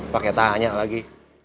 pakai tanya lagi